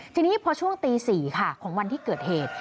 ทีนี้พอช่วงตี๔ค่ะของวันที่เกิดเหตุ